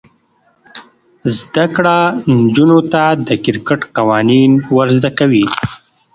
زده کړه نجونو ته د کرکټ قوانین ور زده کوي.